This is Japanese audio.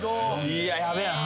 いやヤベえな